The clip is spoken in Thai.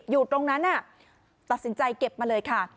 อยู่ตรงนั้นตัดสินใจเก็บมาเลยค่ะ